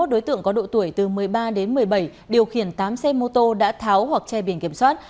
hai mươi đối tượng có độ tuổi từ một mươi ba đến một mươi bảy điều khiển tám xe mô tô đã tháo hoặc che biển kiểm soát